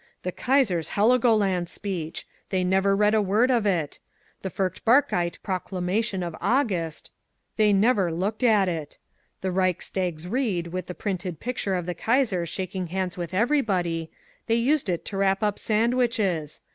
The Kaiser's Heligoland speech! They never read a word of it. The Furchtbarkeit Proklamation of August, they never looked at it. The Reichstags Rede with the printed picture of the Kaiser shaking hands with everybody, they used it to wrap up sandwiches!